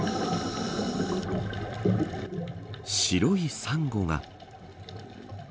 白いサンゴが。